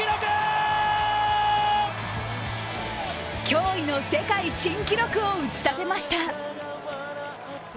驚異の世界新記録を打ち立てました。